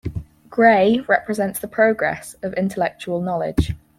Gray represents the progress of intellectual knowledge.